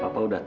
ya allah adit